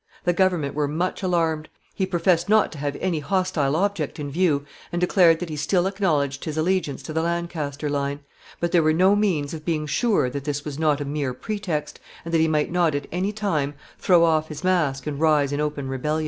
The government were much alarmed. He professed not to have any hostile object in view, and declared that he still acknowledged his allegiance to the Lancaster line; but there were no means of being sure that this was not a mere pretext, and that he might not, at any time, throw off his mask and rise in open rebellion.